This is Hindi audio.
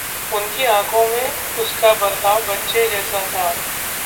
उनकी आँखों में उसका बर्ताव बच्चे जैसा था।